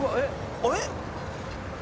あれ！？